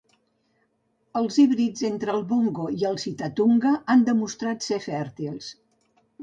Els híbrids entre el bongo i el sitatunga han demostrat ser fèrtils.